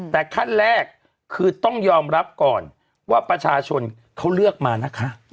แต่ขั้นแรกคือต้องยอมรับก่อนว่าประชาชนเขาเลือกมานะคะ